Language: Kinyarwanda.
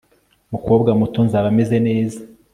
mukobwa muto, nzaba meze neza